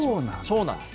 そうなんです。